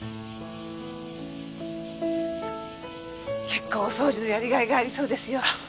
結構お掃除のやりがいがありそうですよ。